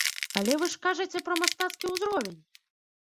Але вы ж кажаце пра мастацкі ўзровень!